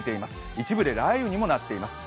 一部で雷雨にもなっています。